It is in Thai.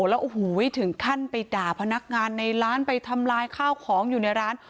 แล้วโอ้โหถึงขั้นไปด่าพนักงานในร้านไปทำลายข้าวของอยู่ในร้าน